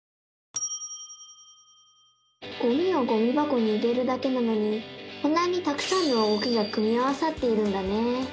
ゴミをゴミばこに入れるだけなのにこんなにたくさんの動きが組み合わさっているんだね！